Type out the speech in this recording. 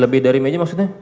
lebih dari meja maksudnya